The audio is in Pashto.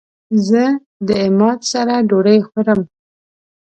زه د عماد سره ډوډی خورم